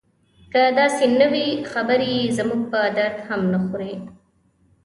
که داسې نه وي خبرې یې زموږ په درد هم نه خوري.